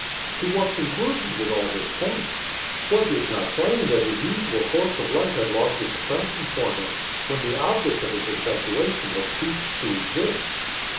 To what conclusion did all this point? Was it not plain that his usual course of life had lost its attraction for him, when the object of his infatuation had ceased to exist?